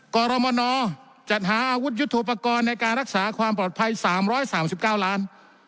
กรมนจัดหาอาวุธยุทธโปรกรณ์ในการรักษาความปลอดภัย๓๓๙ล้าน